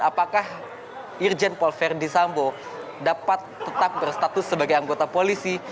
apakah irjen paul verdi sambo dapat tetap berstatus sebagai anggota polisi